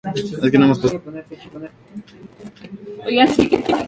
Tienen el pico oscuro y la cola corta.